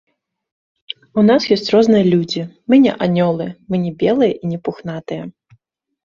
У нас ёсць розныя людзі, мы не анёлы, мы не белыя і не пухнатыя.